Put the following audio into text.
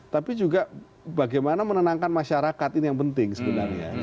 tapi juga bagaimana menenangkan masyarakat ini yang penting sebenarnya